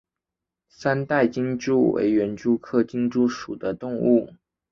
三带金蛛为园蛛科金蛛属的动物。